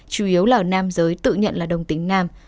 chủ yếu là ở nam giới tự nhận là đồng tính nam